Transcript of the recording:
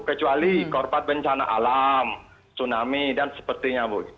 kecuali korban bencana alam tsunami dan sepertinya bu